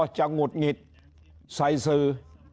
หงุดหงิดใส่สื่อ